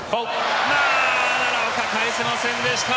奈良岡、返せませんでした。